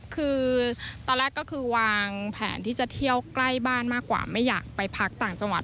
คือตอนแรกก็คือวางแผนที่จะเที่ยวใกล้บ้านมากกว่าไม่อยากไปพักต่างจังหวัด